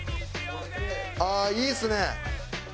ああーいいっすね。